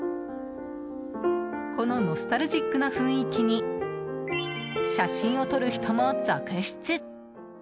このノスタルジックな雰囲気に写真を撮る人も続出。